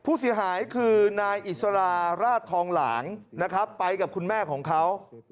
ผู้เสียหายคือนายอิสราราชทองหลางนะครับไปกับคุณแม่ของเขา